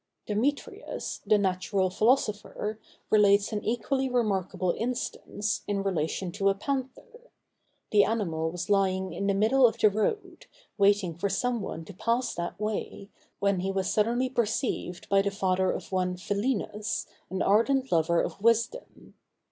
Demetrius, the natural philosopher, relates an equally remarkable instance, in relation to a panther. The animal was lying in the middle of the road, waiting for some one to pass that way, when he was suddenly perceived by the father of one Philinus, an ardent lover of wisdom.